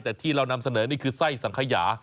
แต่ที่เรานำเสนอนี่คือไส้สังขยา